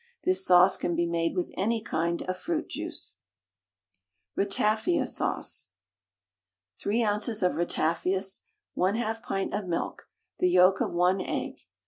This sauce can be made with any kind of fruit juice. RATAFIA SAUCE. 3 oz. of ratafias, 1/2 pint of milk; the yolk of 1 egg.